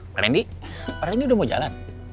pak randy pak randy udah mau jalan